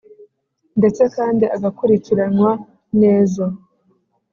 ndetse kandi agakurikiranywa neza,